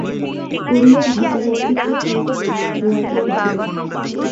করিয়া ভিতরের দিকের রোয়াকে উঠিলেন।